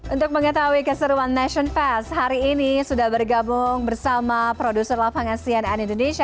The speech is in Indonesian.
untuk mengetahui keseruan nation fest hari ini sudah bergabung bersama produser lapangan cnn indonesia